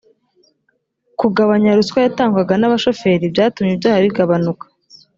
kugabanya ruswa yatangwaga na bashoferi byatumye ibyaha bigabanuka